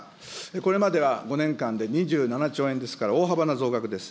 これまでは５年間で２７兆円ですから、大幅な増額です。